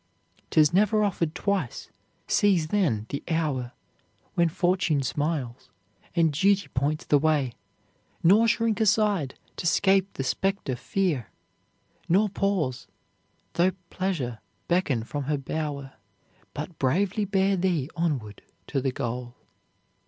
"'Tis never offered twice; seize, then, the hour When fortune smiles, and duty points the way; Nor shrink aside to 'scape the specter fear, Nor pause, though pleasure beckon from her bower; But bravely bear thee onward to the goal."